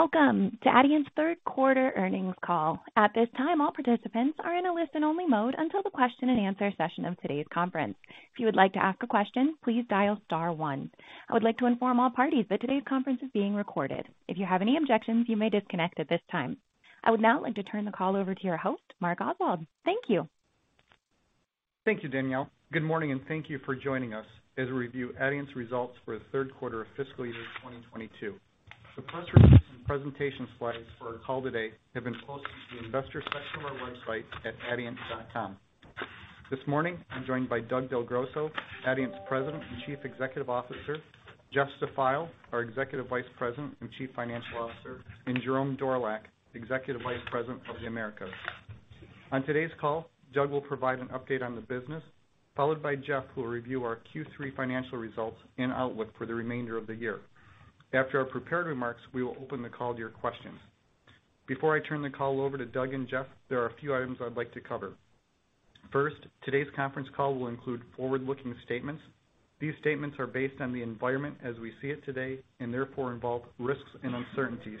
Welcome to Adient's Third Quarter Earnings Call. At this time, all participants are in a listen only mode until the question and answer session of today's conference. If you would like to ask a question, please dial star one. I would like to inform all parties that today's conference is being recorded. If you have any objections, you may disconnect at this time. I would now like to turn the call over to your host, Mark Oswald. Thank you. Thank you, Danielle. Good morning and thank you for joining us as we review Adient's results for the Third Quarter of Fiscal Year 2022. The press release and presentation slides for our call today have been posted to the investor section of our website at adient.com. This morning I'm joined by Doug DelGrosso, Adient's President and Chief Executive Officer, Jeff Stafeil, our Executive Vice President and Chief Financial Officer, and Jerome Dorlack, Executive Vice President of the Americas. On today's call, Doug will provide an update on the business, followed by Jeff, who will review our Q3 financial results and outlook for the remainder of the year. After our prepared remarks, we will open the call to your questions. Before I turn the call over to Doug and Jeff, there are a few items I'd like to cover. First, today's conference call will include forward-looking statements. These statements are based on the environment as we see it today and therefore involve risks and uncertainties.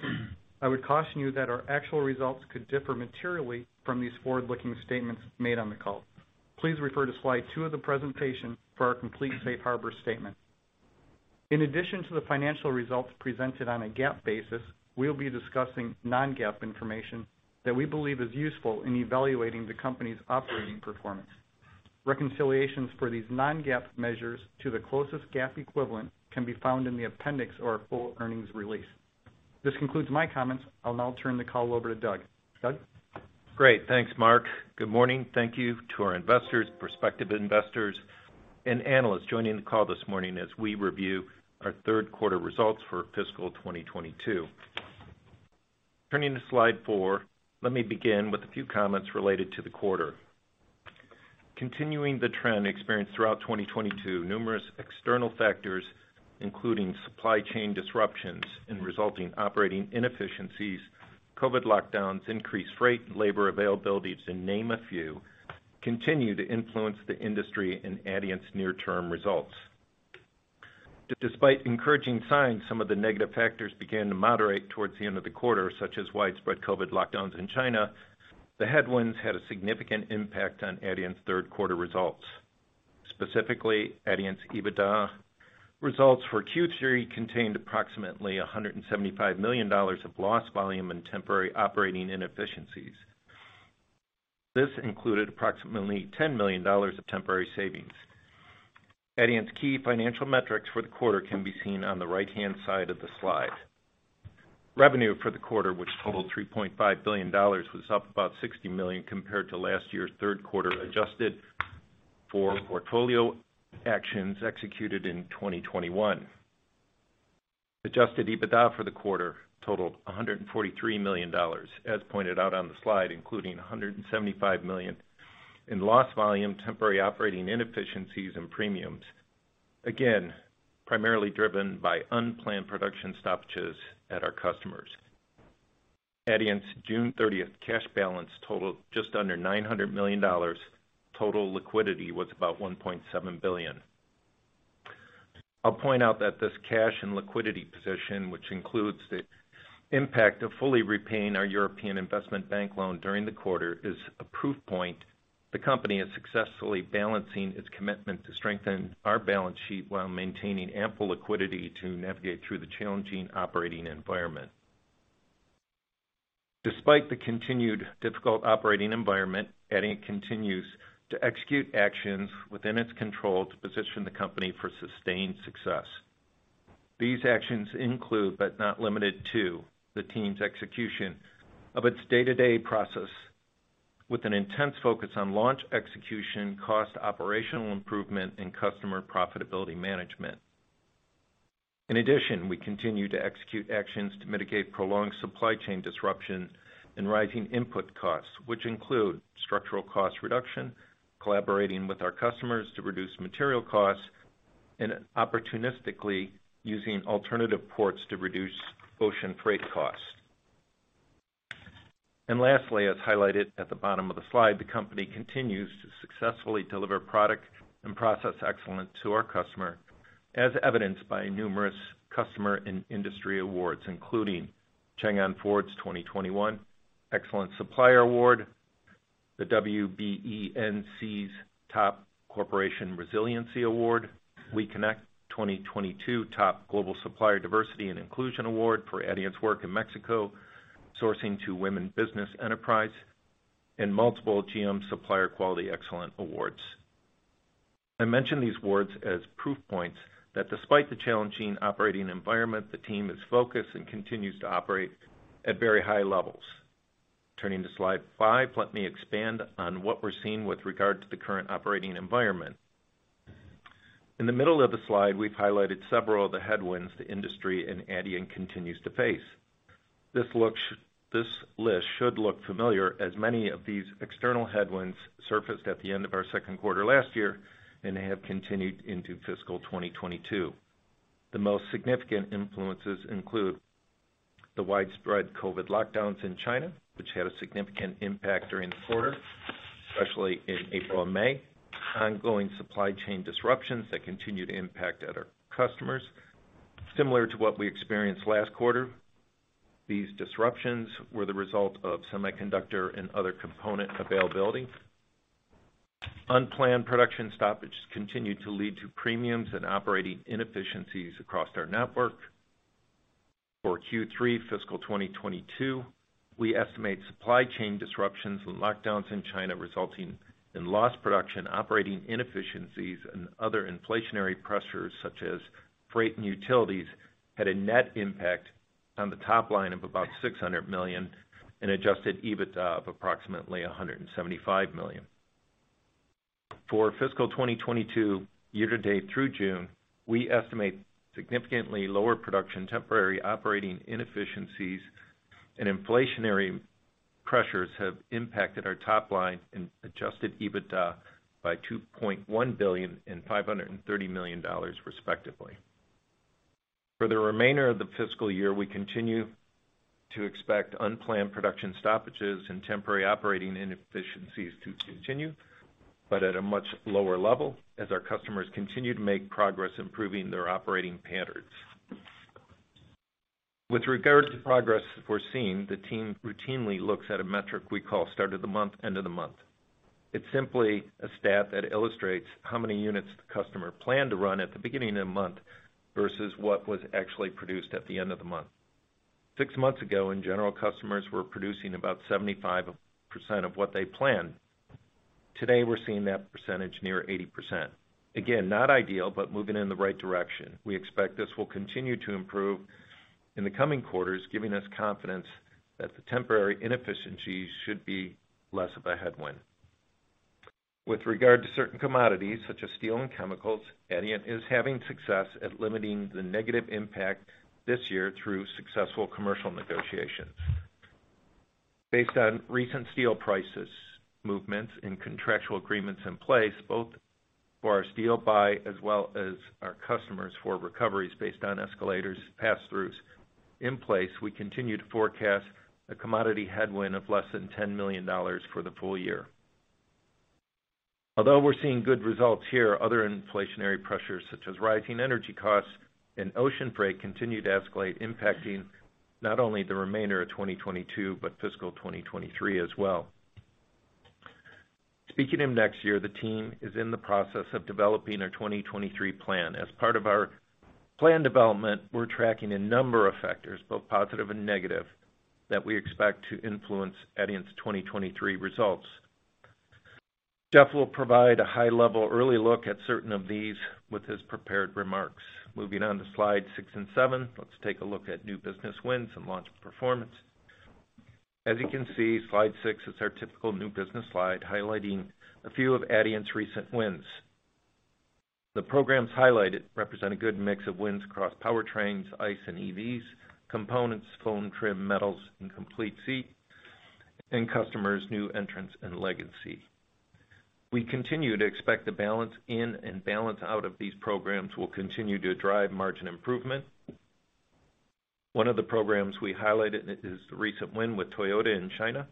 I would caution you that our actual results could differ materially from these forward-looking statements made on the call. Please refer to slide two of the presentation for our complete safe harbor statement. In addition to the financial results presented on a GAAP basis, we'll be discussing non-GAAP information that we believe is useful in evaluating the company's operating performance. Reconciliations for these non-GAAP measures to the closest GAAP equivalent can be found in the appendix or our full earnings release. This concludes my comments. I'll now turn the call over to Doug. Doug? Great. Thanks, Mark. Good morning. Thank you to our investors, prospective investors and analysts joining the call this morning as we review our third quarter results for fiscal 2022. Turning to slide four, let me begin with a few comments related to the quarter. Continuing the trend experienced throughout 2022, numerous external factors, including supply chain disruptions and resulting operating inefficiencies, COVID lockdowns, increased freight, labor availabilities to name a few, continue to influence the industry and Adient's near-term results. Despite encouraging signs, some of the negative factors began to moderate towards the end of the quarter, such as widespread COVID lockdowns in China. The headwinds had a significant impact on Adient's third quarter results. Specifically, Adient's EBITDA results for Q3 contained approximately $175 million of lost volume and temporary operating inefficiencies. This included approximately $10 million of temporary savings. Adient's key financial metrics for the quarter can be seen on the right-hand side of the slide. Revenue for the quarter, which totaled $3.5 billion, was up about $60 million compared to last year's third quarter, adjusted for portfolio actions executed in 2021. Adjusted EBITDA for the quarter totaled $143 million, as pointed out on the slide, including $175 million in lost volume, temporary operating inefficiencies and premiums, again, primarily driven by unplanned production stoppages at our customers. Adient's June 30th cash balance totaled just under $900 million. Total liquidity was about $1.7 billion. I'll point out that this cash and liquidity position, which includes the impact of fully repaying our European Investment Bank loan during the quarter, is a proof point the company is successfully balancing its commitment to strengthen our balance sheet while maintaining ample liquidity to navigate through the challenging operating environment. Despite the continued difficult operating environment, Adient continues to execute actions within its control to position the company for sustained success. These actions include, but not limited to, the team's execution of its day-to-day process with an intense focus on launch execution, cost and operational improvement, and customer profitability management. In addition, we continue to execute actions to mitigate prolonged supply chain disruption and rising input costs, which include structural cost reduction, collaborating with our customers to reduce material costs, and opportunistically using alternative ports to reduce ocean freight costs. Lastly, as highlighted at the bottom of the slide, the company continues to successfully deliver product and process excellence to our customer, as evidenced by numerous customer and industry awards, including Changan Ford's 2021 Excellence Supplier Award, the WBENC's Top Corporation Resiliency Award, WEConnect 2022 Top Global Supplier Diversity and Inclusion Award for Adient's work in Mexico sourcing to women business enterprise and multiple GM Supplier Quality Excellence Awards. I mention these awards as proof points that despite the challenging operating environment, the team is focused and continues to operate at very high levels. Turning to slide five, let me expand on what we're seeing with regard to the current operating environment. In the middle of the slide, we've highlighted several of the headwinds the industry and Adient continues to face. This list should look familiar as many of these external headwinds surfaced at the end of our second quarter last year and have continued into fiscal 2022. The most significant influences include the widespread COVID lockdowns in China, which had a significant impact during the quarter, especially in April and May. Ongoing supply chain disruptions continue to impact our customers. Similar to what we experienced last quarter, these disruptions were the result of semiconductor and other component availability. Unplanned production stoppages continued to lead to premiums and operating inefficiencies across our network. For Q3 fiscal 2022, we estimate supply chain disruptions and lockdowns in China resulting in lost production, operating inefficiencies, and other inflationary pressures, such as freight and utilities, had a net impact on the top line of about $600 million and Adjusted EBITDA of approximately $175 million. For fiscal 2022 year-to-date through June, we estimate significantly lower production, temporary operating inefficiencies and inflationary pressures have impacted our top line and Adjusted EBITDA by $2.1 billion and $530 million respectively. For the remainder of the fiscal year, we continue to expect unplanned production stoppages and temporary operating inefficiencies to continue, but at a much lower level as our customers continue to make progress improving their operating patterns. With regard to progress foreseen, the team routinely looks at a metric we call start of the month, end of the month. It's simply a stat that illustrates how many units the customer planned to run at the beginning of the month versus what was actually produced at the end of the month. Six months ago, in general, customers were producing about 75% of what they planned. Today, we're seeing that percentage near 80%. Again, not ideal, but moving in the right direction. We expect this will continue to improve in the coming quarters, giving us confidence that the temporary inefficiencies should be less of a headwind. With regard to certain commodities such as steel and chemicals, Adient is having success at limiting the negative impact this year through successful commercial negotiations. Based on recent steel prices, movements, and contractual agreements in place, both for our steel buy as well as our customers for recoveries based on escalators pass-throughs in place, we continue to forecast a commodity headwind of less than $10 million for the full year. Although we're seeing good results here, other inflationary pressures such as rising energy costs and ocean freight continue to escalate, impacting not only the remainder of 2022, but fiscal 2023 as well. Speaking of next year, the team is in the process of developing our 2023 plan. As part of our plan development, we're tracking a number of factors, both positive and negative, that we expect to influence Adient's 2023 results. Jeff will provide a high-level early look at certain of these with his prepared remarks. Moving on to slide six and seven, let's take a look at new business wins and launch performance. As you can see, slide six is our typical new business slide, highlighting a few of Adient's recent wins. The programs highlighted represent a good mix of wins across powertrains, ICE and EVs, components, foam, trim, metals, and complete seat and customers, new entrants and legacy. We continue to expect the balance in and balance out of these programs will continue to drive margin improvement. One of the programs we highlighted is the recent win with Toyota in China.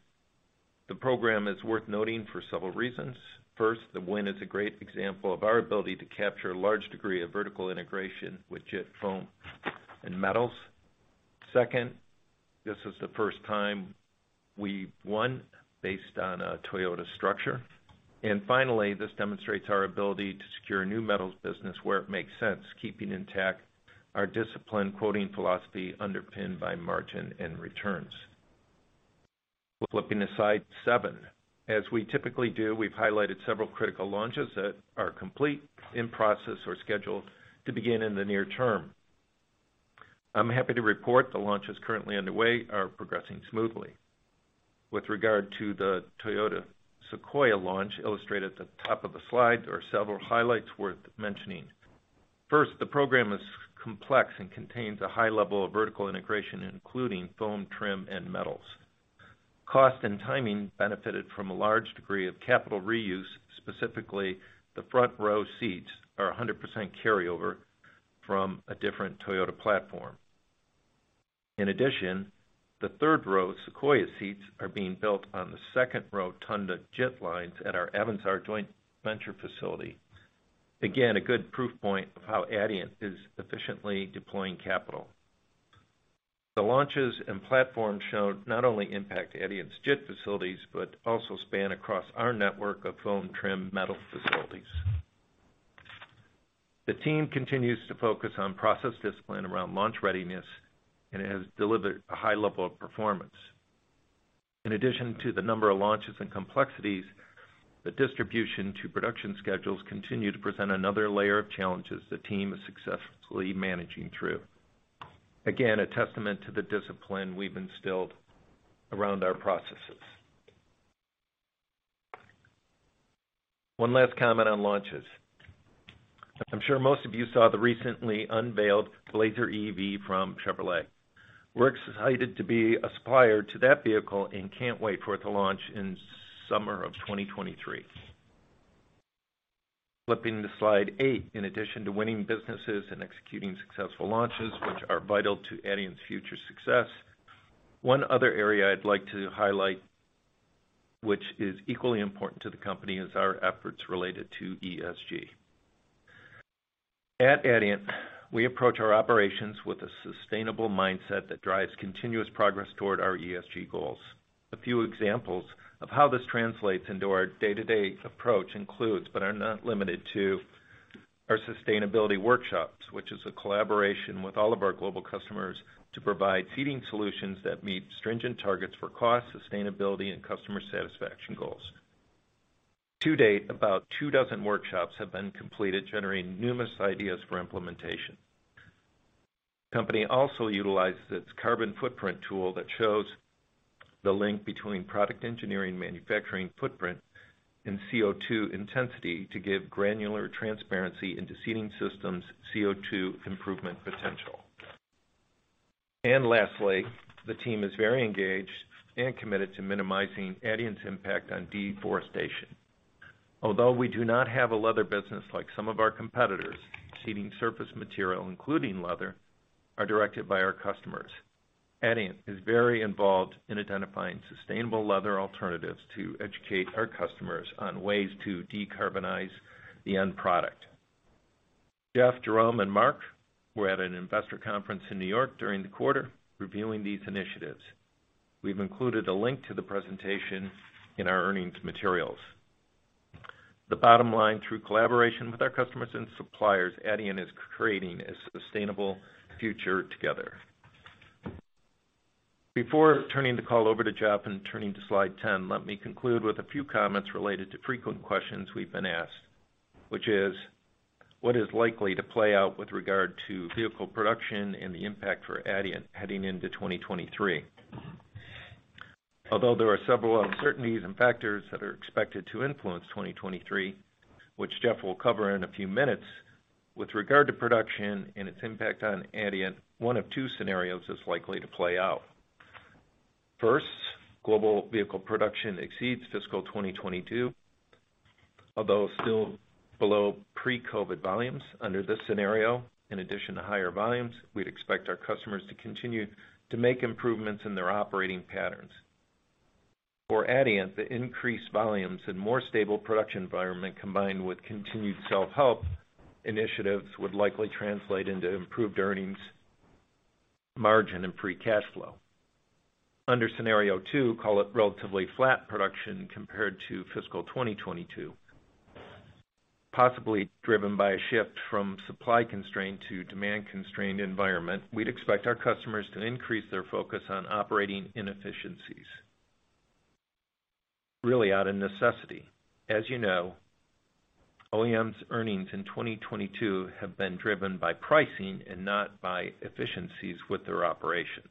The program is worth noting for several reasons. First, the win is a great example of our ability to capture a large degree of vertical integration with JIT, foam, and metals. Second, this is the first time we've won based on a Toyota structure. Finally, this demonstrates our ability to secure a new metals business where it makes sense, keeping intact our disciplined quoting philosophy underpinned by margin and returns. Flipping to slide seven. As we typically do, we've highlighted several critical launches that are complete, in process, or scheduled to begin in the near term. I'm happy to report the launches currently underway are progressing smoothly. With regard to the Toyota Sequoia launch illustrated at the top of the slide are several highlights worth mentioning. First, the program is complex and contains a high level of vertical integration, including foam, trim, and metals. Cost and timing benefited from a large degree of capital reuse. Specifically, the front row seats are 100% carryover from a different Toyota platform. In addition, the third-row Sequoia seats are being built on the second-row Tundra JIT lines at our Evansville joint venture facility. Again, a good proof point of how Adient is efficiently deploying capital. The launches and platforms shown not only impact Adient's JIT facilities, but also span across our network of foam, trim, metal facilities. The team continues to focus on process discipline around launch readiness, and it has delivered a high level of performance. In addition to the number of launches and complexities, the disruptions to production schedules continue to present another layer of challenges the team is successfully managing through. Again, a testament to the discipline we've instilled around our processes. One last comment on launches. I'm sure most of you saw the recently unveiled Blazer EV from Chevrolet. We're excited to be a supplier to that vehicle and can't wait for it to launch in summer of 2023. Flipping to slide eight. In addition to winning businesses and executing successful launches, which are vital to Adient's future success, one other area I'd like to highlight, which is equally important to the company, is our efforts related to ESG. At Adient, we approach our operations with a sustainable mindset that drives continuous progress toward our ESG goals. A few examples of how this translates into our day-to-day approach includes, but are not limited to, our sustainability workshops, which is a collaboration with all of our global customers to provide seating solutions that meet stringent targets for cost, sustainability, and customer satisfaction goals. To date, about two dozen workshops have been completed, generating numerous ideas for implementation. Company also utilizes its carbon footprint tool that shows the link between product engineering, manufacturing footprint, and CO₂ intensity to give granular transparency into seating systems' CO₂ improvement potential. Lastly, the team is very engaged and committed to minimizing Adient's impact on deforestation. Although we do not have a leather business like some of our competitors, seating surface material, including leather, are directed by our customers. Adient is very involved in identifying sustainable leather alternatives to educate our customers on ways to decarbonize the end product. Jeff, Jerome, and Mark were at an investor conference in New York during the quarter reviewing these initiatives. We've included a link to the presentation in our earnings materials. The bottom line, through collaboration with our customers and suppliers, Adient is creating a sustainable future together. Before turning the call over to Jeff and turning to slide 10, let me conclude with a few comments related to frequent questions we've been asked, which is, what is likely to play out with regard to vehicle production and the impact for Adient heading into 2023? Although there are several uncertainties and factors that are expected to influence 2023, which Jeff will cover in a few minutes, with regard to production and its impact on Adient, one of two scenarios is likely to play out. First, global vehicle production exceeds fiscal 2022, although still below pre-COVID volumes. Under this scenario, in addition to higher volumes, we'd expect our customers to continue to make improvements in their operating patterns. For Adient, the increased volumes and more stable production environment, combined with continued self-help initiatives, would likely translate into improved earnings, margin, and free cash flow. Under scenario two, call it relatively flat production compared to fiscal 2022, possibly driven by a shift from supply-constrained to demand-constrained environment. We'd expect our customers to increase their focus on operating inefficiencies, really out of necessity. As you know, OEMs earnings in 2022 have been driven by pricing and not by efficiencies with their operations.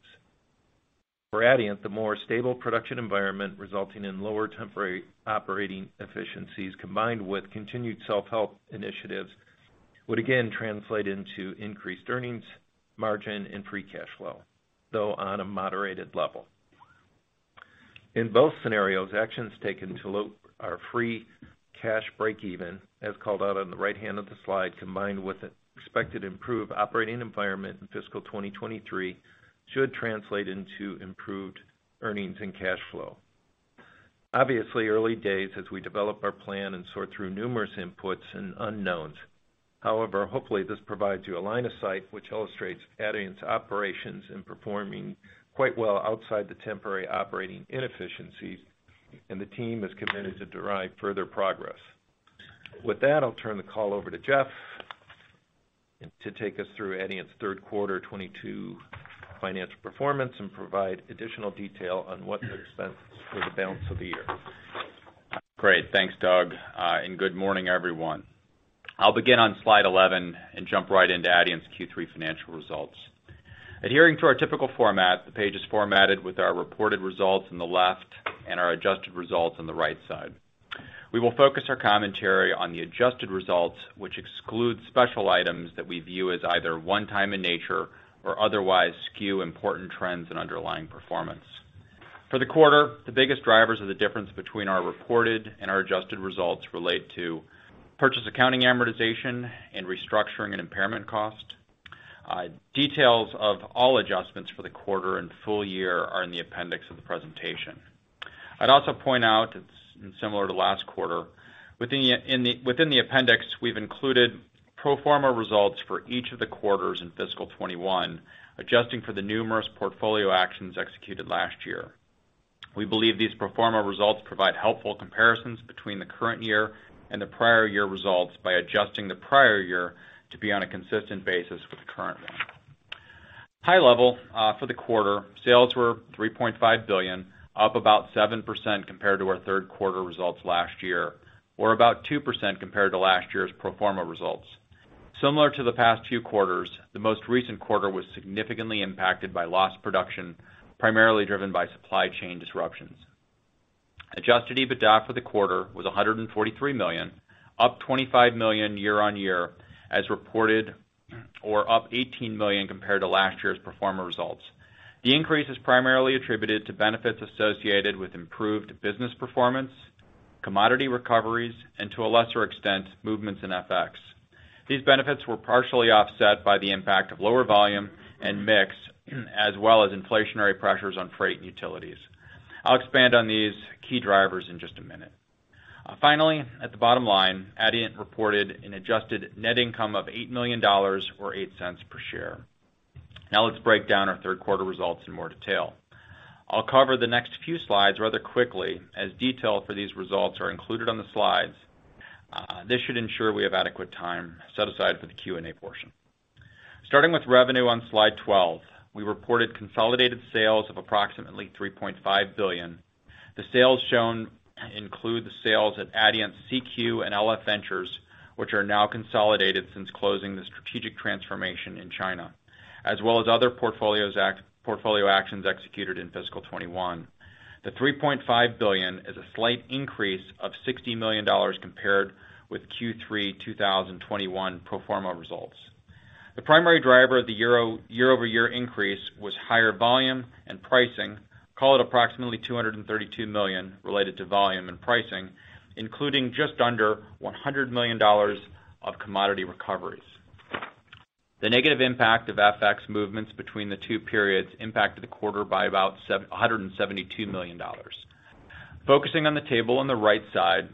For Adient, the more stable production environment resulting in lower temporary operating efficiencies combined with continued self-help initiatives would again translate into increased earnings, margin, and free cash flow, though on a moderated level. In both scenarios, actions taken to lower our free cash breakeven, as called out on the right hand of the slide, combined with an expected improved operating environment in fiscal 2023, should translate into improved earnings and cash flow. Obviously, early days as we develop our plan and sort through numerous inputs and unknowns. However, hopefully this provides you a line of sight which illustrates Adient's operations performing quite well outside the temporary operating inefficiencies, and the team is committed to drive further progress. With that, I'll turn the call over to Jeff to take us through Adient's third quarter 2022 financial performance and provide additional detail on what to expect for the balance of the year. Great. Thanks, Doug, and good morning, everyone. I'll begin on slide 11 and jump right into Adient's Q3 financial results. Adhering to our typical format, the page is formatted with our reported results on the left and our Adjusted results on the right side. We will focus our commentary on the Adjusted results, which excludes special items that we view as either one time in nature or otherwise skew important trends and underlying performance. For the quarter, the biggest drivers of the difference between our reported and our Adjusted results relate to purchase accounting amortization and restructuring and impairment cost. Details of all adjustments for the quarter and full year are in the appendix of the presentation. I'd also point out, it's similar to last quarter, within the appendix, we've included pro forma results for each of the quarters in fiscal 2021, adjusting for the numerous portfolio actions executed last year. We believe these pro forma results provide helpful comparisons between the current year and the prior year results by adjusting the prior year to be on a consistent basis with the current one. High level, for the quarter, sales were $3.5 billion, up about 7% compared to our third quarter results last year or about 2% compared to last year's pro forma results. Similar to the past few quarters, the most recent quarter was significantly impacted by lost production, primarily driven by supply chain disruptions. Adjusted EBITDA for the quarter was $143 million, up $25 million year-on-year as reported. Or up $18 million compared to last year's pro forma results. The increase is primarily attributed to benefits associated with improved business performance, commodity recoveries, and to a lesser extent, movements in FX. These benefits were partially offset by the impact of lower volume and mix, as well as inflationary pressures on freight and utilities. I'll expand on these key drivers in just a minute. Finally, at the bottom line, Adient reported an Adjusted Net Income of $8 million or 8 cents per share. Now let's break down our third quarter results in more detail. I'll cover the next few slides rather quickly, as detailed for these results are included on the slides. This should ensure we have adequate time set aside for the Q&A portion. Starting with revenue on slide twelve, we reported consolidated sales of approximately $3.5 billion. The sales shown include the sales at Adient CQ and LF Ventures, which are now consolidated since closing the strategic transformation in China, as well as other portfolio actions executed in fiscal 2021. The $3.5 billion is a slight increase of $60 million compared with Q3 2021 pro forma results. The primary driver of the year-over-year increase was higher volume and pricing. Call it approximately $232 million related to volume and pricing, including just under $100 million of commodity recoveries. The negative impact of FX movements between the two periods impacted the quarter by about $172 million. Focusing on the table on the right side,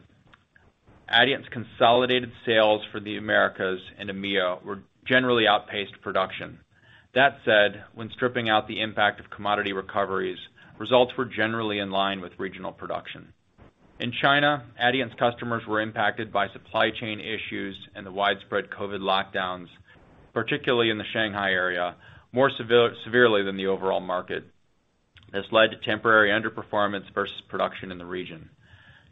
Adient's consolidated sales for the Americas and EMEA were generally outpaced production. That said, when stripping out the impact of commodity recoveries, results were generally in line with regional production. In China, Adient's customers were impacted by supply chain issues and the widespread COVID lockdowns, particularly in the Shanghai area, more severely than the overall market. This led to temporary underperformance versus production in the region.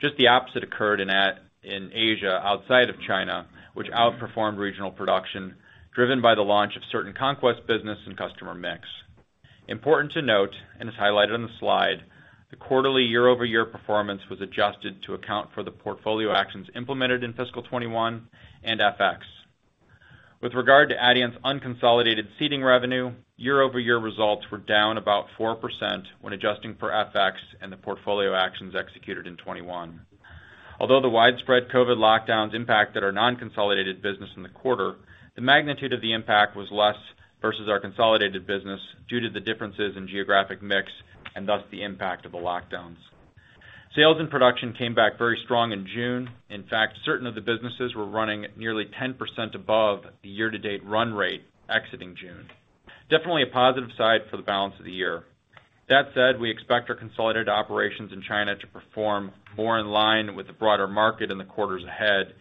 Just the opposite occurred in Asia, outside of China, which outperformed regional production, driven by the launch of certain conquest business and customer mix. Important to note, and it's highlighted on the slide, the quarterly year-over-year performance was adjusted to account for the portfolio actions implemented in fiscal 2021 and FX. With regard to Adient's unconsolidated seating revenue, year-over-year results were down about 4% when adjusting for FX and the portfolio actions executed in 2021. Although the widespread COVID lockdowns impacted our non-consolidated business in the quarter, the magnitude of the impact was less versus our consolidated business due to the differences in geographic mix and thus the impact of the lockdowns. Sales and production came back very strong in June. In fact, certain of the businesses were running nearly 10% above the year-to-date run rate exiting June. Definitely a positive side for the balance of the year. That said, we expect our consolidated operations in China to perform more in line with the broader market in the quarters ahead,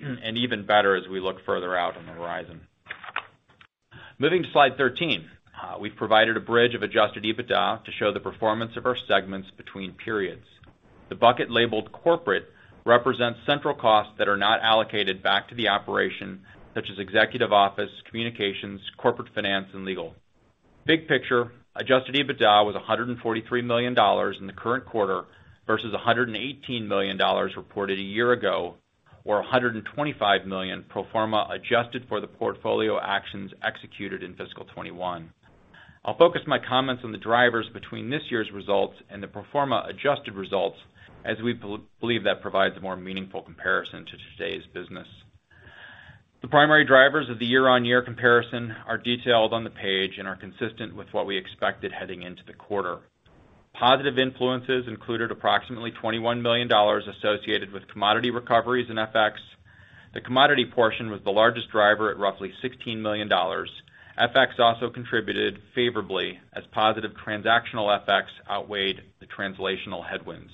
and even better as we look further out on the horizon. Moving to slide 13. We've provided a bridge of Adjusted EBITDA to show the performance of our segments between periods. The bucket labeled corporate represents central costs that are not allocated back to the operation, such as executive office, communications, corporate finance, and legal. Big picture, Adjusted EBITDA was $143 million in the current quarter versus $118 million reported a year ago, or $125 million pro forma adjusted for the portfolio actions executed in fiscal 2021. I'll focus my comments on the drivers between this year's results and the pro forma adjusted results as we believe that provides a more meaningful comparison to today's business. The primary drivers of the year-on-year comparison are detailed on the page and are consistent with what we expected heading into the quarter. Positive influences included approximately $21 million associated with commodity recoveries in FX. The commodity portion was the largest driver at roughly $16 million. FX also contributed favorably as positive transactional FX outweighed the translational headwinds.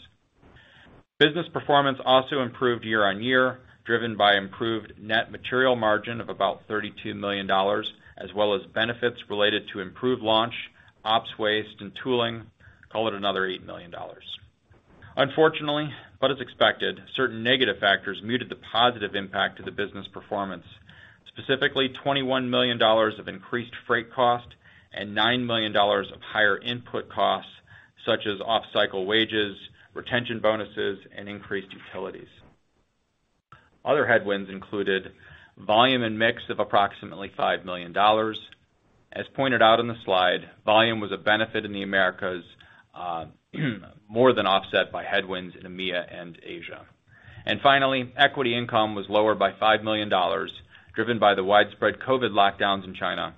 Business performance also improved year-over-year, driven by improved net material margin of about $32 million, as well as benefits related to improved launch, ops waste, and tooling. Call it another $8 million. Unfortunately, but as expected, certain negative factors muted the positive impact to the business performance. Specifically, $21 million of increased freight cost and $9 million of higher input costs, such as off-cycle wages, retention bonuses, and increased utilities. Other headwinds included volume and mix of approximately $5 million. As pointed out in the slide, volume was a benefit in the Americas, more than offset by headwinds in EMEA and Asia. Finally, equity income was lower by $5 million, driven by the widespread COVID lockdowns in China.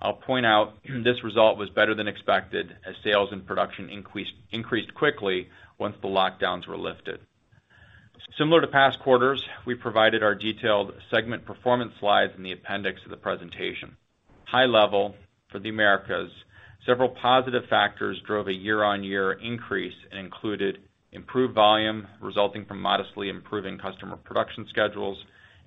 I'll point out this result was better than expected as sales and production increased quickly once the lockdowns were lifted. Similar to past quarters, we provided our detailed segment performance slides in the appendix of the presentation. High-level for the Americas, several positive factors drove a year-on-year increase and included improved volume resulting from modestly improving customer production schedules,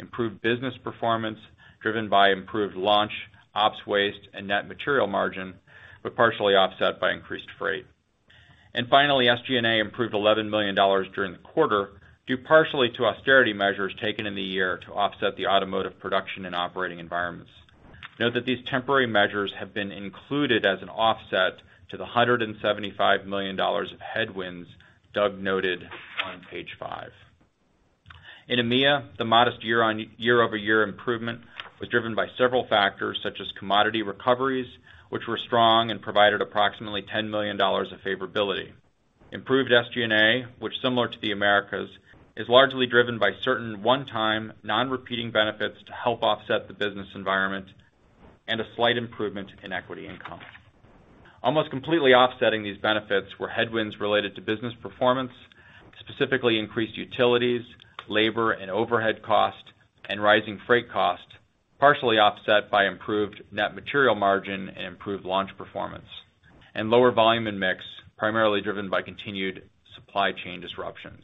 improved business performance driven by improved launch, ops waste, and net material margin, but partially offset by increased freight. Finally, SG&A improved $11 million during the quarter, due partially to austerity measures taken in the year to offset the automotive production and operating environments. Note that these temporary measures have been included as an offset to the $175 million of headwinds Doug noted on page five. In EMEA, the modest year-over-year improvement was driven by several factors, such as commodity recoveries, which were strong and provided approximately $10 million of favorability. Improved SG&A, which similar to the Americas, is largely driven by certain one-time non-repeating benefits to help offset the business environment and a slight improvement in equity income. Almost completely offsetting these benefits were headwinds related to business performance, specifically increased utilities, labor and overhead costs, and rising freight costs, partially offset by improved net material margin and improved launch performance, and lower volume and mix, primarily driven by continued supply chain disruptions.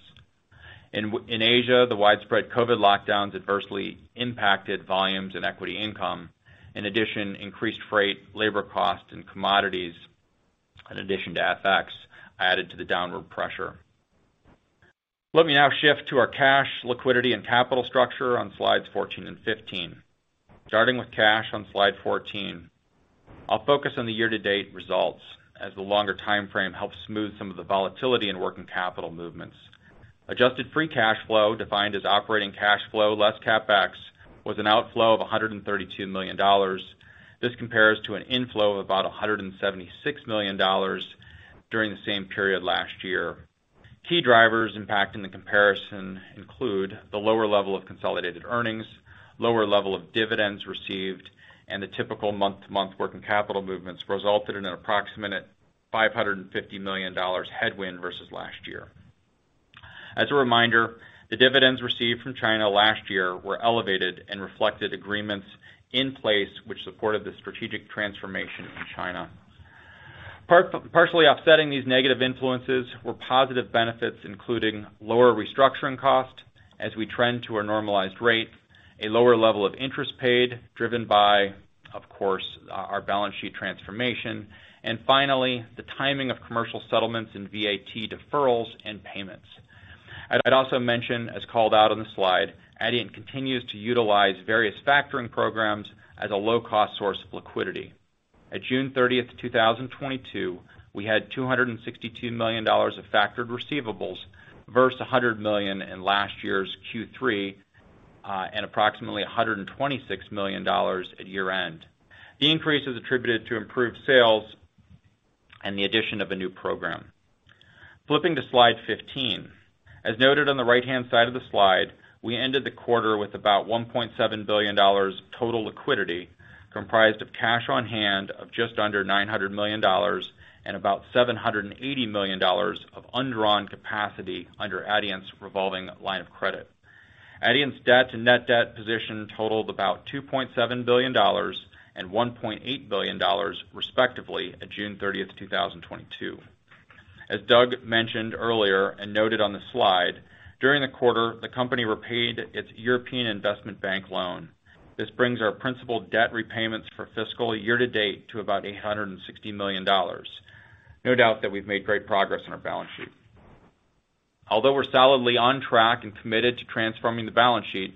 In Asia, the widespread COVID lockdowns adversely impacted volumes and equity income. In addition, increased freight, labor costs, and commodities, in addition to FX, added to the downward pressure. Let me now shift to our cash liquidity and capital structure on slides 14 and 15. Starting with cash on slide 14. I'll focus on the year-to-date results as the longer timeframe helps smooth some of the volatility in working capital movements. Adjusted Free Cash Flow, defined as operating cash flow, less Capex, was an outflow of $132 million. This compares to an inflow of about $176 million during the same period last year. Key drivers impacting the comparison include the lower level of consolidated earnings, lower level of dividends received, and the typical month-to-month working capital movements resulted in an approximate $550 million headwind versus last year. As a reminder, the dividends received from China last year were elevated and reflected agreements in place which supported the strategic transformation in China. Partially offsetting these negative influences were positive benefits, including lower restructuring costs as we trend to our normalized rate, a lower level of interest paid, driven by, of course, our balance sheet transformation, and finally, the timing of commercial settlements and VAT deferrals and payments. I'd also mention, as called out on the slide, Adient continues to utilize various factoring programs as a low-cost source of liquidity. At June 30, 2022, we had $262 million of factored receivables versus $100 million in last year's Q3, and approximately $126 million at year-end. The increase is attributed to improved sales and the addition of a new program. Flipping to slide 15. As noted on the right-hand side of the slide, we ended the quarter with about $1.7 billion total liquidity, comprised of cash on hand of just under $900 million and about $780 million of undrawn capacity under Adient's revolving line of credit. Adient's debt to net debt position totaled about $2.7 billion and $1.8 billion, respectively, at June 30, 2022. As Doug mentioned earlier and noted on the slide, during the quarter, the company repaid its European Investment Bank loan. This brings our principal debt repayments for fiscal year-to-date to about $860 million. No doubt that we've made great progress on our balance sheet. Although we're solidly on track and committed to transforming the balance sheet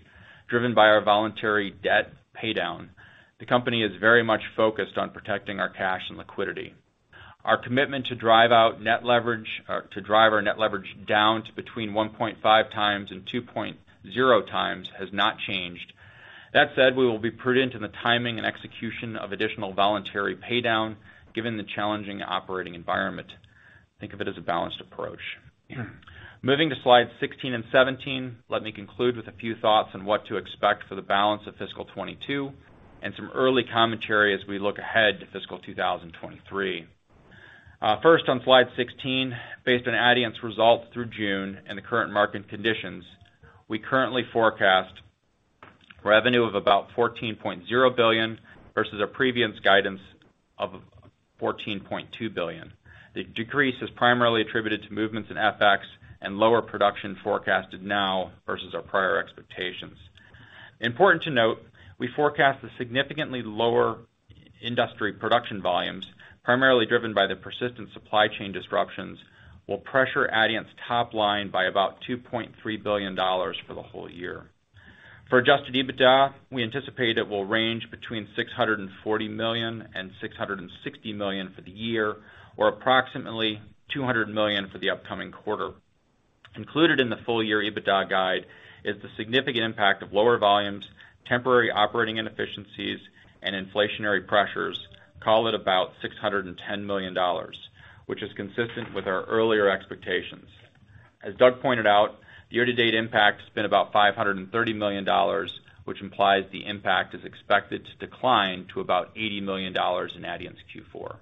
driven by our voluntary debt pay down, the company is very much focused on protecting our cash and liquidity. Our commitment to drive out net leverage to drive our net leverage down to between 1.5 times and 2.0 times has not changed. That said, we will be prudent in the timing and execution of additional voluntary pay down given the challenging operating environment. Think of it as a balanced approach. Moving to slide 16 and 17, let me conclude with a few thoughts on what to expect for the balance of fiscal 2022 and some early commentary as we look ahead to fiscal 2023. First on slide 16, based on Adient's results through June and the current market conditions, we currently forecast revenue of about $14.0 billion versus our previous guidance of $14.2 billion. The decrease is primarily attributed to movements in FX and lower production forecasted now versus our prior expectations. Important to note, we forecast the significantly lower industry production volumes, primarily driven by the persistent supply chain disruptions, will pressure Adient's top line by about $2.3 billion for the whole year. For Adjusted EBITDA, we anticipate it will range between $640 million and $660 million for the year, or approximately $200 million for the upcoming quarter. Included in the full-year EBITDA guide is the significant impact of lower volumes, temporary operating inefficiencies, and inflationary pressures, call it about $610 million, which is consistent with our earlier expectations. As Doug pointed out, year-to-date impact has been about $530 million, which implies the impact is expected to decline to about $80 million in Adient's Q4.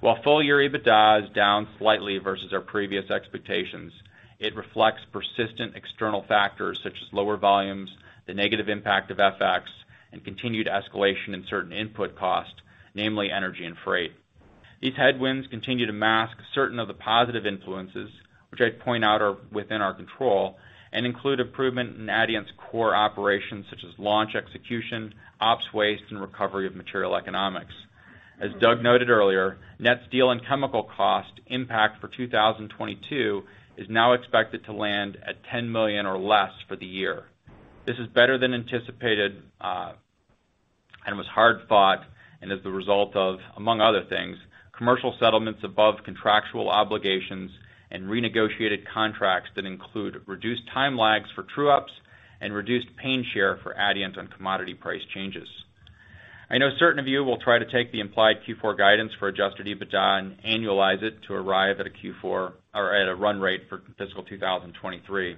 While full-year EBITDA is down slightly versus our previous expectations, it reflects persistent external factors such as lower volumes, the negative impact of FX, and continued escalation in certain input costs, namely energy and freight. These headwinds continue to mask certain of the positive influences, which I'd point out are within our control, and include improvement in Adient's core operations such as launch execution, ops waste, and recovery of material economics. As Doug noted earlier, net steel and chemical cost impact for 2022 is now expected to land at $10 million or less for the year. This is better than anticipated, was hard fought and is the result of, among other things, commercial settlements above contractual obligations and renegotiated contracts that include reduced time lags for true ups and reduced pain share for Adient on commodity price changes. I know certain of you will try to take the implied Q4 guidance for Adjusted EBITDA and annualize it to arrive at a Q4 or at a run rate for fiscal 2023.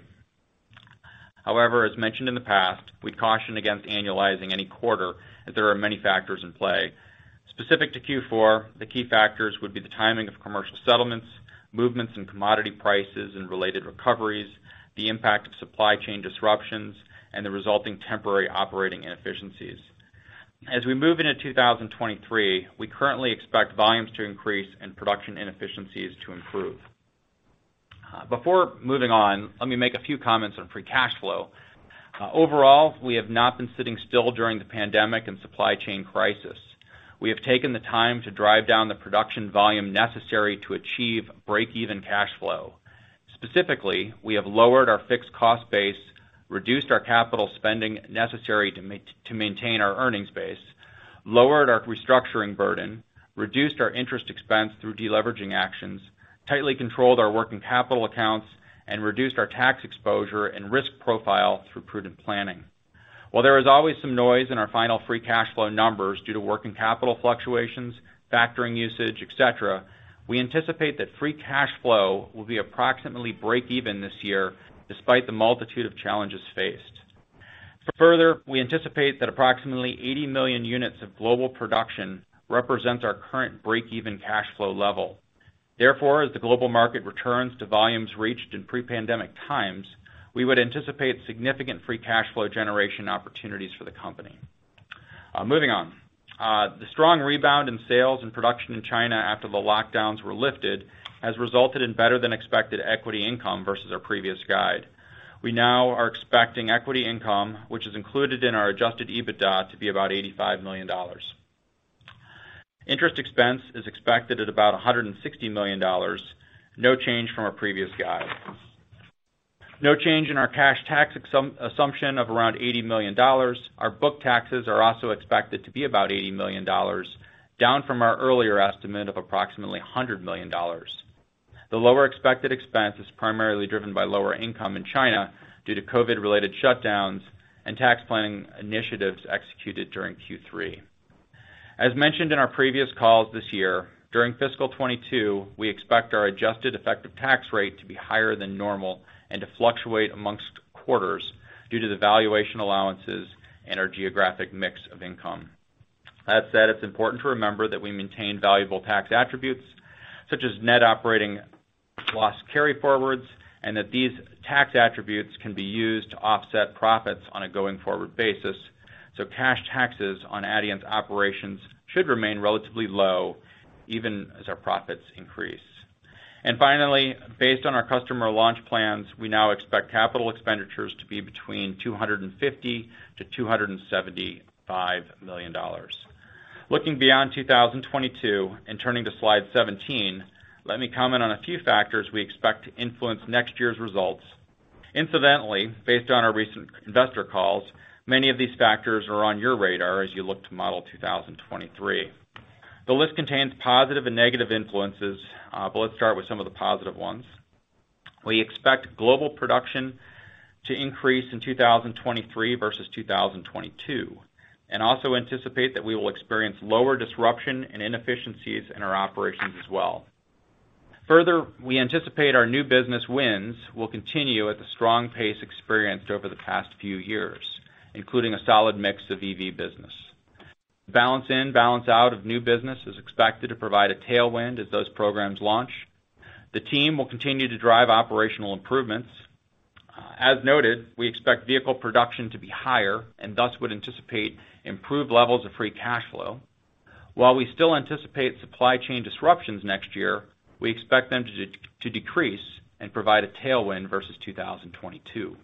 However, as mentioned in the past, we caution against annualizing any quarter as there are many factors in play. Specific to Q4, the key factors would be the timing of commercial settlements, movements in commodity prices and related recoveries, the impact of supply chain disruptions, and the resulting temporary operating inefficiencies. As we move into 2023, we currently expect volumes to increase and production inefficiencies to improve. Before moving on, let me make a few comments on free cash flow. Overall, we have not been sitting still during the pandemic and supply chain crisis. We have taken the time to drive down the production volume necessary to achieve break-even cash flow. Specifically, we have lowered our fixed cost base, reduced our capital spending necessary to maintain our earnings base, lowered our restructuring burden, reduced our interest expense through deleveraging actions, tightly controlled our working capital accounts, and reduced our tax exposure and risk profile through prudent planning. While there is always some noise in our final free cash flow numbers due to working capital fluctuations, factoring usage, et cetera, we anticipate that free cash flow will be approximately break even this year despite the multitude of challenges faced. Further, we anticipate that approximately 80 million units of global production represents our current break-even cash flow level. Therefore, as the global market returns to volumes reached in pre-pandemic times, we would anticipate significant free cash flow generation opportunities for the company. Moving on. The strong rebound in sales and production in China after the lockdowns were lifted has resulted in better than expected equity income versus our previous guide. We now are expecting equity income, which is included in our Adjusted EBITDA, to be about $85 million. Interest expense is expected at about $160 million, no change from our previous guide. No change in our cash tax assumption of around $80 million. Our book taxes are also expected to be about $80 million, down from our earlier estimate of approximately $100 million. The lower expected expense is primarily driven by lower income in China due to COVID-related shutdowns and tax planning initiatives executed during Q3. As mentioned in our previous calls this year, during fiscal 2022, we expect our adjusted effective tax rate to be higher than normal and to fluctuate among quarters due to the valuation allowances and our geographic mix of income. That said, it's important to remember that we maintain valuable tax attributes such as net operating loss carryforwards, and that these tax attributes can be used to offset profits on a going-forward basis, so cash taxes on Adient's operations should remain relatively low even as our profits increase. Finally, based on our customer launch plans, we now expect capital expenditures to be between $250-$275 million. Looking beyond 2022 and turning to slide 17, let me comment on a few factors we expect to influence next year's results. Incidentally, based on our recent investor calls, many of these factors are on your radar as you look to model 2023. The list contains positive and negative influences, but let's start with some of the positive ones. We expect global production to increase in 2023 versus 2022, and also anticipate that we will experience lower disruption and inefficiencies in our operations as well. Further, we anticipate our new business wins will continue at the strong pace experienced over the past few years, including a solid mix of EV business. Balance in, balance out of new business is expected to provide a tailwind as those programs launch. The team will continue to drive operational improvements. As noted, we expect vehicle production to be higher and thus would anticipate improved levels of free cash flow. While we still anticipate supply chain disruptions next year, we expect them to decrease and provide a tailwind versus 2022.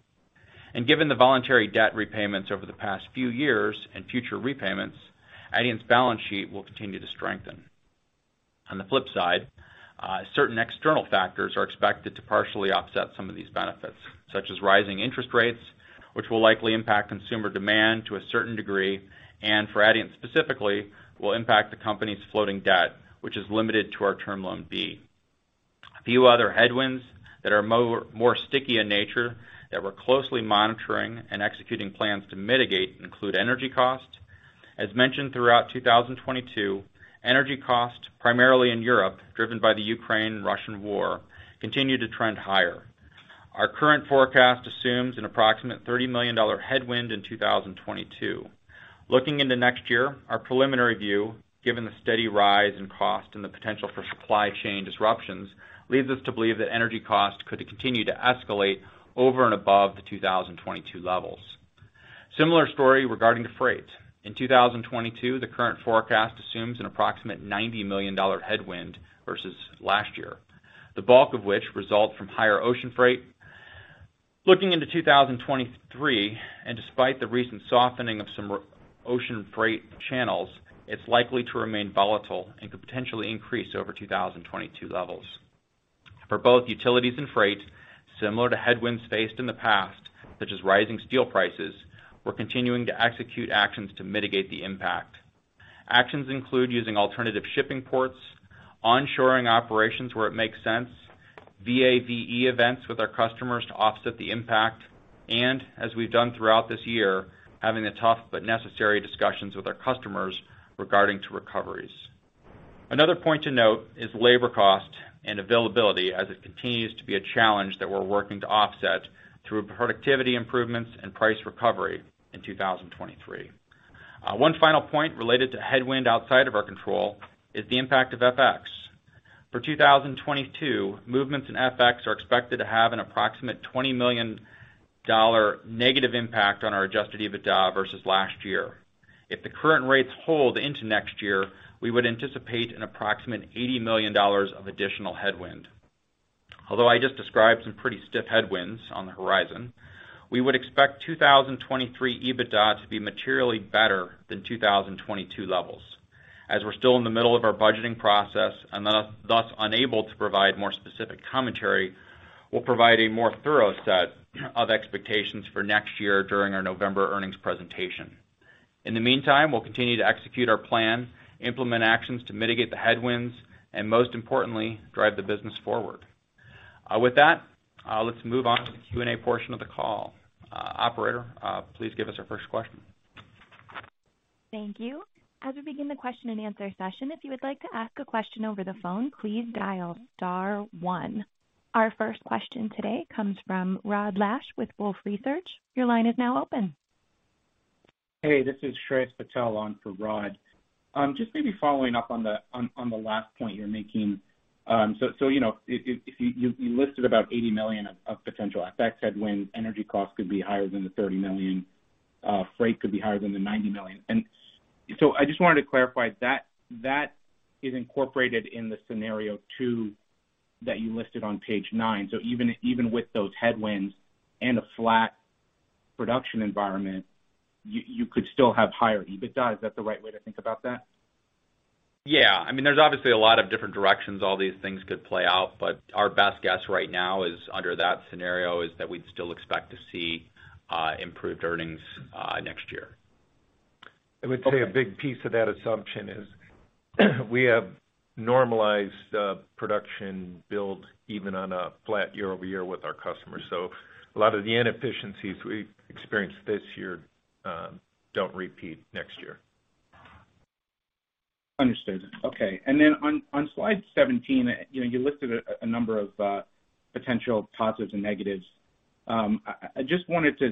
Given the voluntary debt repayments over the past few years and future repayments, Adient's balance sheet will continue to strengthen. On the flip side, certain external factors are expected to partially offset some of these benefits, such as rising interest rates, which will likely impact consumer demand to a certain degree, and for Adient specifically, will impact the company's floating debt, which is limited to our Term Loan B. A few other headwinds that are more sticky in nature that we're closely monitoring and executing plans to mitigate include energy cost. As mentioned throughout 2022, energy cost, primarily in Europe, driven by the Ukraine-Russia war, continued to trend higher. Our current forecast assumes an approximate $30 million headwind in 2022. Looking into next year, our preliminary view, given the steady rise in cost and the potential for supply chain disruptions, leads us to believe that energy cost could continue to escalate over and above the 2022 levels. Similar story regarding freight. In 2022, the current forecast assumes an approximate $90 million headwind versus last year, the bulk of which result from higher ocean freight. Looking into 2023, despite the recent softening of some ocean freight channels, it's likely to remain volatile and could potentially increase over 2022 levels. For both utilities and freight, similar to headwinds faced in the past, such as rising steel prices, we're continuing to execute actions to mitigate the impact. Actions include using alternative shipping ports, onshoring operations where it makes sense, VAVE events with our customers to offset the impact, and as we've done throughout this year, having the tough but necessary discussions with our customers regarding recoveries. Another point to note is labor cost and availability as it continues to be a challenge that we're working to offset through productivity improvements and price recovery in 2023. One final point related to headwind outside of our control is the impact of FX. For 2022, movements in FX are expected to have an approximate $20 million negative impact on our Adjusted EBITDA versus last year. If the current rates hold into next year, we would anticipate an approximate $80 million of additional headwind. Although I just described some pretty stiff headwinds on the horizon, we would expect 2023 EBITDA to be materially better than 2022 levels. As we're still in the middle of our budgeting process and thus unable to provide more specific commentary, we'll provide a more thorough set of expectations for next year during our November earnings presentation. In the meantime, we'll continue to execute our plan, implement actions to mitigate the headwinds, and most importantly, drive the business forward. With that, let's move on to the Q&A portion of the call. Operator, please give us our first question. Thank you. As we begin the question and answer session, if you would like to ask a question over the phone, please dial star one. Our first question today comes from Rod Lache with Wolfe Research. Your line is now open. Hey, this is Shreyas Patil on for Rod. Just maybe following up on the last point you're making. You know, if you listed about $80 million of potential FX headwinds, energy costs could be higher than the $30 million, freight could be higher than the $90 million. I just wanted to clarify that that is incorporated in the scenario two that you listed on page 9. Even with those headwinds and a flat production environment, you could still have higher EBITDA. Is that the right way to think about that? Yeah. I mean, there's obviously a lot of different directions all these things could play out, but our best guess right now is under that scenario is that we'd still expect to see, improved earnings, next year. Okay. I would say a big piece of that assumption is we have normalized production build even on a flat year-over-year with our customers. A lot of the inefficiencies we experienced this year don't repeat next year. Understood. Okay. Then on slide 17, you know, you listed a number of potential positives and negatives. I just wanted you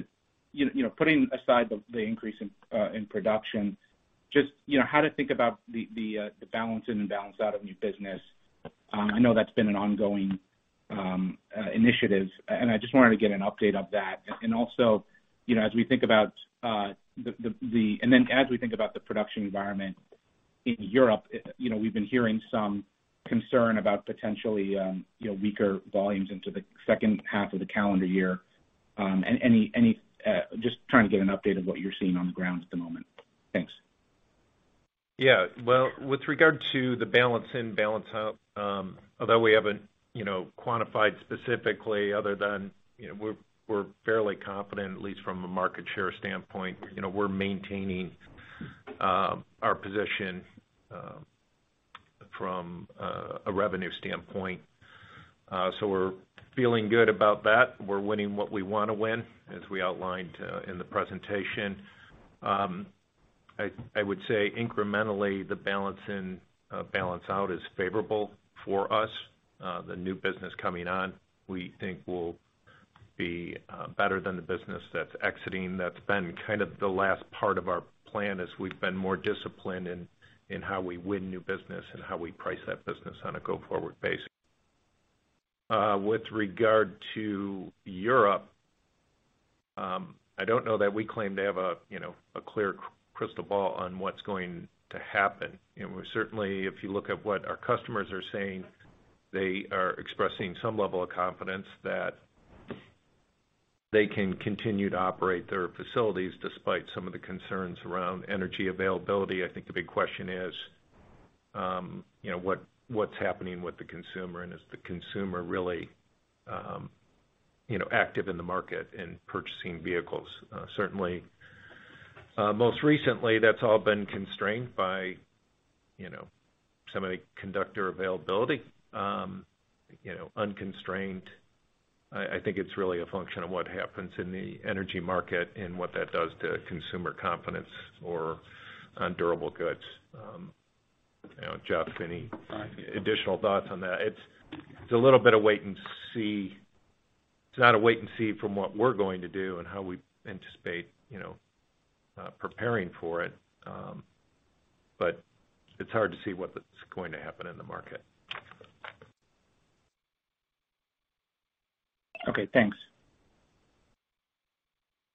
to, you know, putting aside the increase in production, just how to think about the balance in and out of new business. I know that's been an ongoing initiative, and I just wanted to get an update of that. Also, you know, and then as we think about the production environment in Europe, you know, we've been hearing some concern about potentially weaker volumes into the second half of the calendar year. Just trying to get an update of what you're seeing on the ground at the moment. Thanks. Yeah. Well, with regard to the balance in, balance out, although we haven't quantified specifically other than we're fairly confident, at least from a market share standpoint, you know, we're maintaining our position from a revenue standpoint. We're feeling good about that. We're winning what we wanna win, as we outlined in the presentation. I would say incrementally, the balance in, balance out is favorable for us. The new business coming on, we think will be better than the business that's exiting. That's been kind of the last part of our plan as we've been more disciplined in how we win new business and how we price that business on a go-forward basis. With regard to Europe, I don't know that we claim to have a, you know, a clear crystal ball on what's going to happen. We certainly, if you look at what our customers are saying, they are expressing some level of confidence that they can continue to operate their facilities despite some of the concerns around energy availability. I think the big question is, you know, what's happening with the consumer, and is the consumer really, you know, active in the market in purchasing vehicles? Certainly, most recently, that's all been constrained by, you know, semiconductor availability. You know, unconstrained, I think it's really a function of what happens in the energy market and what that does to consumer confidence or on durable goods. You know, Jeff, any additional thoughts on that? It's a little bit of wait and see. It's not a wait and see from what we're going to do and how we anticipate, you know, preparing for it, but it's hard to see what's going to happen in the market. Okay, thanks.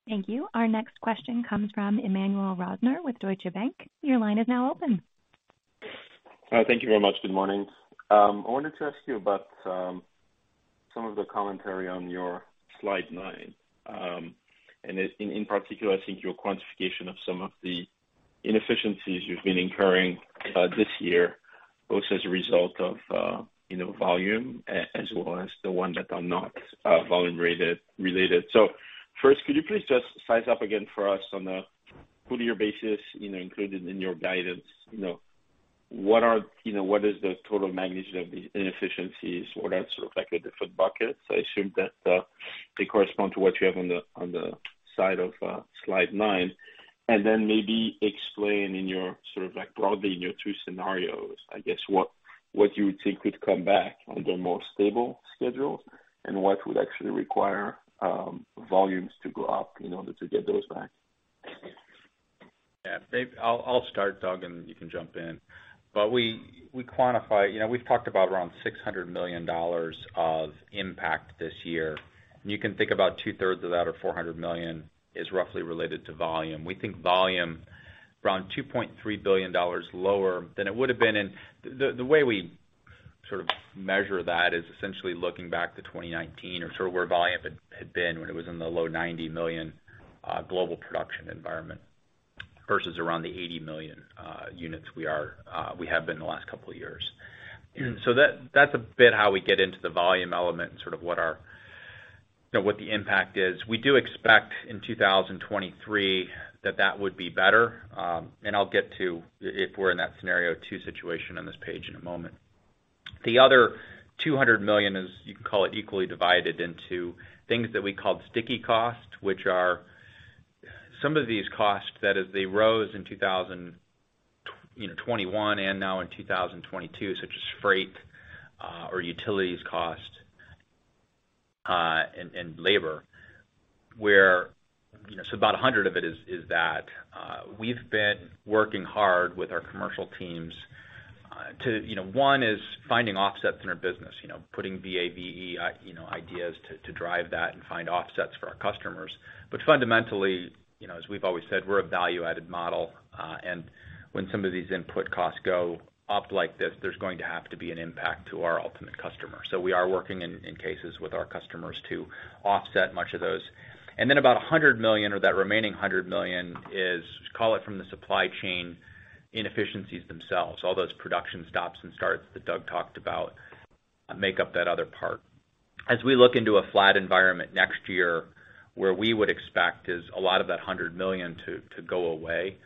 Thank you. Our next question comes from Emmanuel Rosner with Deutsche Bank. Your line is now open. Thank you very much. Good morning. I wanted to ask you about some of the commentary on your slide nine, and in particular, I think your quantification of some of the inefficiencies you've been incurring this year, both as a result of, you know, volume as well as the ones that are not volume related. First, could you please just size up again for us on a full year basis, you know, included in your guidance, you know, what are, you know, what is the total magnitude of these inefficiencies? What are sort of like the different buckets? I assume that they correspond to what you have on the side of slide nine. Maybe explain in your sort of like broadly in your two scenarios, I guess what you would think could come back on the more stable schedule and what would actually require volumes to go up in order to get those back. Yeah. David, I'll start, Doug, and you can jump in. We quantify. You know, we've talked about around $600 million of impact this year. You can think about two-thirds of that or $400 million is roughly related to volume. We think volume around $2.3 billion lower than it would've been. The way we sort of measure that is essentially looking back to 2019 or sort of where volume had been when it was in the low 90 million global production environment versus around the 80 million units we have been the last couple of years. That's a bit how we get into the volume element and sort of what our, you know, what the impact is. We do expect in 2023 that that would be better. I'll get to if we're in that Scenario two situation on this page in a moment. The other $200 million is, you can call it equally divided into things that we called sticky costs, which are some of these costs that as they rose in 2021 and now in 2022, such as freight, or utilities cost, and labor. You know, about $100 of it is that. We've been working hard with our commercial teams, to you know. One is finding offsets in our business, you know, putting VAVE ideas to drive that and find offsets for our customers. But fundamentally, you know, as we've always said, we're a value-added model. When some of these input costs go up like this, there's going to have to be an impact to our ultimate customer. We are working in cases with our customers to offset much of those. About $100 million or that remaining $100 million is, call it, from the supply chain inefficiencies themselves. All those production stops and starts that Doug talked about make up that other part. As we look into a flat environment next year, we would expect a lot of that $100 million to go away.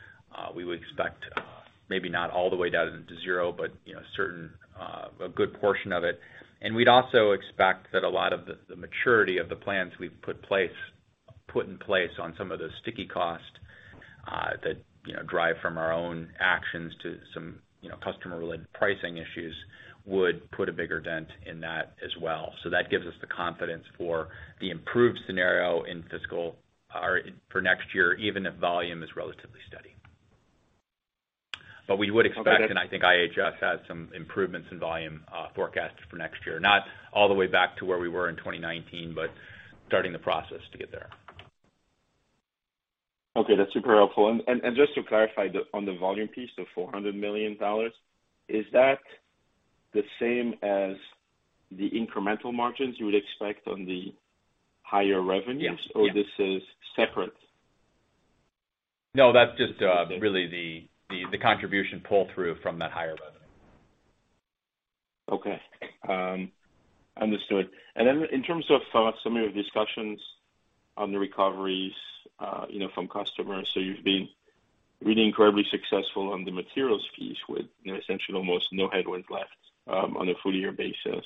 We would expect maybe not all the way down into zero, but you know, certainly a good portion of it. We'd also expect that a lot of the maturity of the plans we've put in place on some of the sticky costs that you know drive from our own actions to some you know customer-related pricing issues would put a bigger dent in that as well. That gives us the confidence for the improved scenario in fiscal or for next year, even if volume is relatively steady. We would expect, and I think IHS Markit has some improvements in volume forecast for next year, not all the way back to where we were in 2019, but starting the process to get there. Okay, that's super helpful. Just to clarify on the volume piece, the $400 million, is that the same as the incremental margins you would expect on the higher revenues? Yeah. Yeah. This is separate? No, that's just really the contribution pull-through from that higher revenue. Okay. Understood. Then in terms of some of your discussions on the recoveries, you know, from customers, so you've been really incredibly successful on the materials piece with, you know, essentially almost no headwinds left on a full year basis.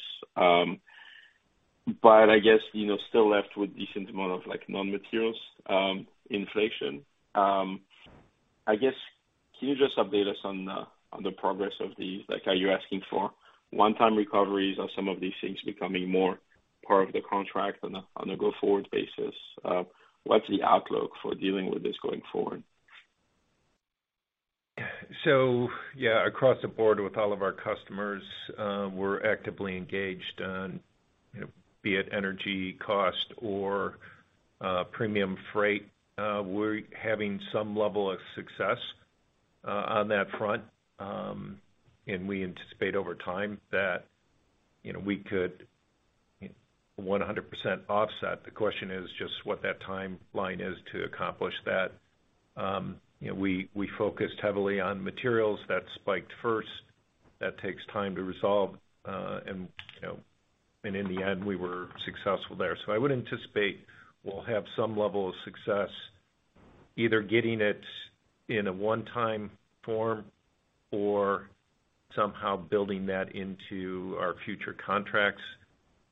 I guess, you know, still left with decent amount of like non-materials inflation. I guess, can you just update us on the progress of these, like are you asking for one-time recoveries? Are some of these things becoming more part of the contract on a go-forward basis? What's the outlook for dealing with this going forward? Yeah, across the board with all of our customers, we're actively engaged on, you know, be it energy cost or premium freight. We're having some level of success on that front. We anticipate over time that, you know, we could 100% offset. The question is just what that timeline is to accomplish that. You know, we focused heavily on materials that spiked first. That takes time to resolve, and you know, in the end, we were successful there. I would anticipate we'll have some level of success either getting it in a one-time form or somehow building that into our future contracts.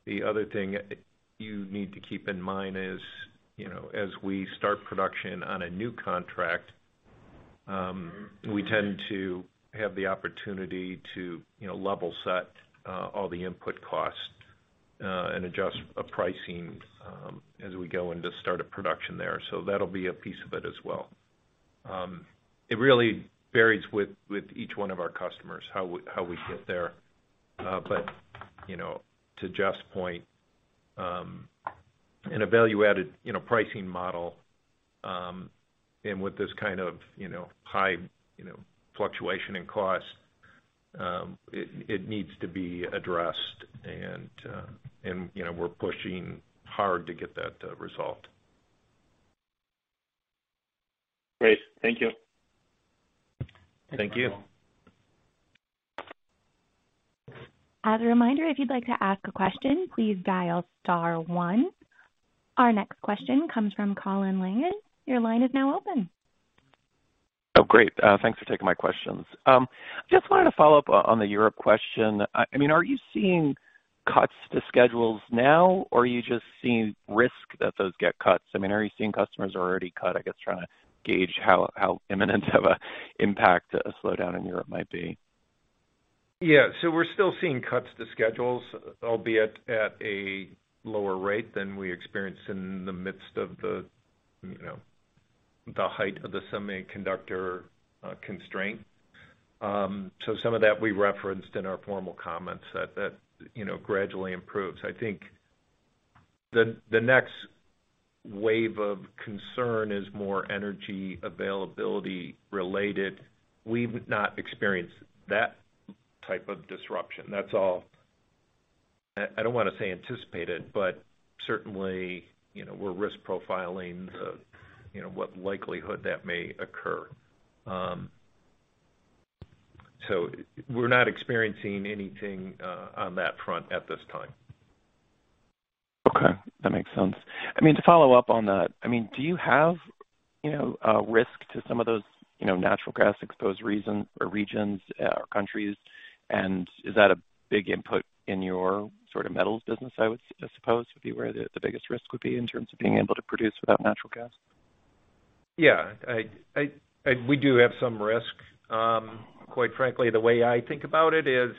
The other thing you need to keep in mind is, you know, as we start production on a new contract, we tend to have the opportunity to, you know, level set, all the input costs, and adjust pricing, as we go into start of production there. So that'll be a piece of it as well. It really varies with each one of our customers, how we get there. But, you know, to Jeff's point, a value added, you know, pricing model, and with this kind of, you know, high, you know, fluctuation in cost, it needs to be addressed. And, you know, we're pushing hard to get that resolved. Great. Thank you. Thank you. As a reminder, if you'd like to ask a question, please dial star one. Our next question comes from Colin Langan. Your line is now open. Oh, great. Thanks for taking my questions. Just wanted to follow up on the Europe question. I mean, are you seeing cuts to schedules now, or are you just seeing risk that those get cuts? I mean, are you seeing customers who already cut, I guess, trying to gauge how imminent of a impact a slowdown in Europe might be? We're still seeing cuts to schedules, albeit at a lower rate than we experienced in the midst of the you know, the height of the semiconductor constraint. Some of that we referenced in our formal comments that you know, gradually improves. I think the next wave of concern is more energy availability related. We've not experienced that type of disruption. That's all. I don't wanna say anticipated, but certainly you know, we're risk profiling the you know, what likelihood that may occur. We're not experiencing anything on that front at this time. Okay. That makes sense. I mean, to follow up on that, I mean, do you have, you know, a risk to some of those, you know, natural gas exposed regions or countries? Is that a big input in your sort of metals business? I would, I suppose, would be where the biggest risk would be in terms of being able to produce without natural gas? Yeah. We do have some risk. Quite frankly, the way I think about it is,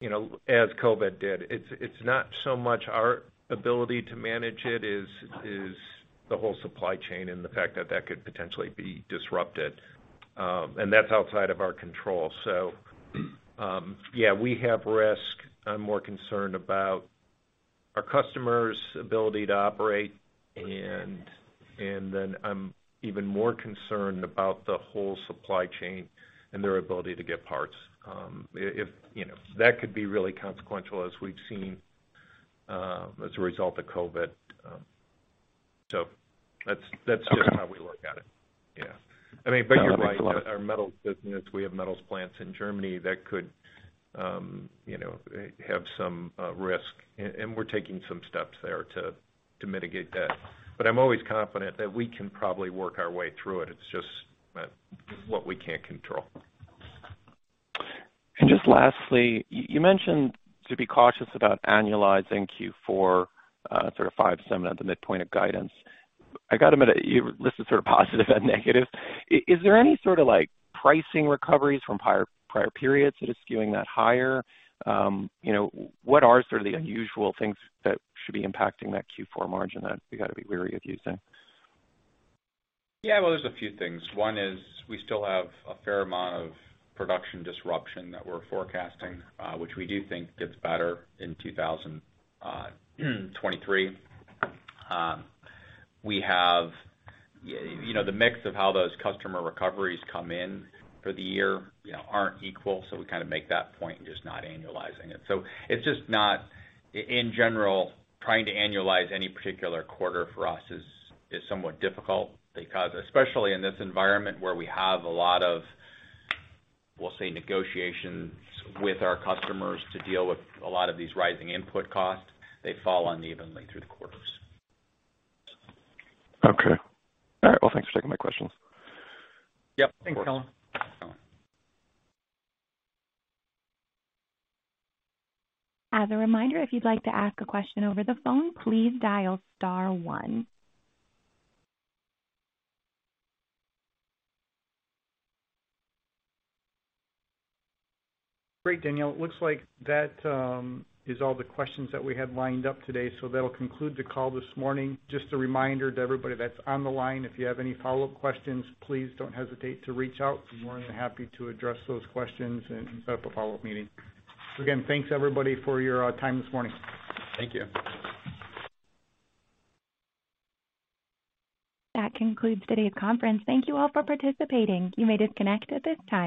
you know, as COVID did, it's not so much our ability to manage it as the whole supply chain and the fact that that could potentially be disrupted. That's outside of our control. So, yeah, we have risk. I'm more concerned about our customers' ability to operate, and then I'm even more concerned about the whole supply chain and their ability to get parts. If, you know, that could be really consequential as we've seen as a result of COVID, so that's just how we look at it. Yeah. I mean, you're right. Our metals business, we have metals plants in Germany that could, you know, have some risk, and we're taking some steps there to mitigate that. I'm always confident that we can probably work our way through it. It's just what we can't control. Just lastly, you mentioned to be cautious about annualizing Q4 sort of 5% margin at the midpoint of guidance. You listed sort of positive and negative. Is there any sort of, like, pricing recoveries from prior periods that are skewing that higher? You know, what are sort of the unusual things that should be impacting that Q4 margin that we gotta be wary of you think? Yeah. Well, there's a few things. One is we still have a fair amount of production disruption that we're forecasting, which we do think gets better in 2023. We have, you know, the mix of how those customer recoveries come in for the year, you know, aren't equal, so we kinda make that point in just not annualizing it. It's just not, in general, trying to annualize any particular quarter for us is somewhat difficult because especially in this environment where we have a lot of, we'll say, negotiations with our customers to deal with a lot of these rising input costs, they fall unevenly through the quarters. Okay. All right. Well, thanks for taking my questions. Yep. Thanks, Colin. As a reminder, if you'd like to ask a question over the phone, please dial star one. Great, Danielle. It looks like that is all the questions that we had lined up today, so that'll conclude the call this morning. Just a reminder to everybody that's on the line, if you have any follow-up questions, please don't hesitate to reach out. We're more than happy to address those questions and set up a follow-up meeting. Again, thanks everybody for your time this morning. Thank you. That concludes today's conference. Thank you all for participating. You may disconnect at this time.